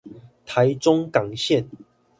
臺中港線